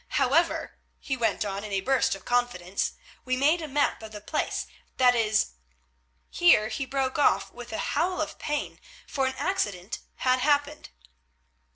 However," he went on in a burst of confidence, "we made a map of the place, that is—" Here he broke off with a howl of pain, for an accident had happened.